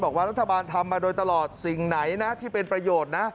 บอกว่ารัฐบาลทำมาโดยตลอดสิ่งไหนนะที่เป็นประโยชน์นะ